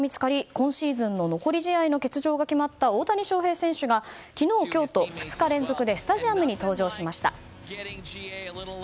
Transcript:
今シーズンの残り試合の欠場が決まった大谷翔平選手が昨日、今日と２日連続でスタジアムに登場しました。